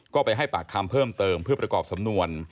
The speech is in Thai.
ก็ไปให้ปากคำเพิ่มเติมเพื่อประกอบสำนวน